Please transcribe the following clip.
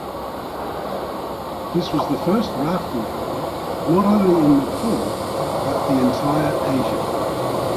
This was the first rafting company not only in Nepal but the entire Asia.